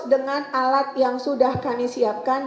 dengan alat yang sudah kami siapkan